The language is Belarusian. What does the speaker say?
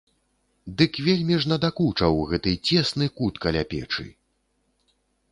Дык вельмі ж надакучаў гэты цесны кут каля печы.